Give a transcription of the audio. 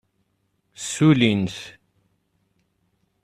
Ssulin-t.